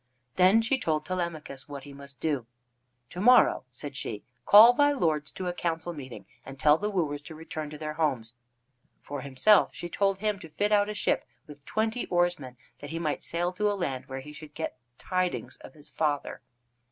Then she told Telemachus what he must do. "To morrow," said she, "call thy lords to a council meeting, and tell the wooers to return to their homes." For himself, she told him to fit out a ship with twenty oars men, that he might sail to a land where he should get tidings of his father.